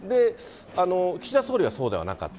岸田総理はそうではなかった。